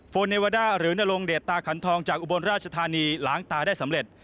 เนวาด้าหรือนรงเดชตาขันทองจากอุบลราชธานีล้างตาได้สำเร็จ